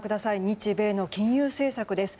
日米の金融政策です。